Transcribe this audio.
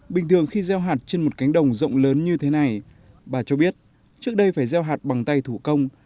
bình thường khi gieo hạt trên một cánh đồng rộng lớn như thế này bà cho biết trước đây phải gieo hạt bằng tay thủ công